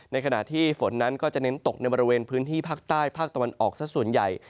ในขณะที่ฝนนั้นก็จะเน้นตกในบริเวณพื้นที่ภาคใต้ภาคตะวันออกสักส่วนใหญ่